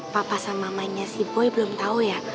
papa sama mamanya si boy belum tahu ya